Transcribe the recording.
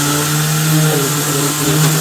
আমার ওপর হাঁচি দিচ্ছো কেন?